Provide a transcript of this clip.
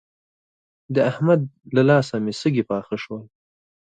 د احمد له لاسه مې سږي پاخه شول.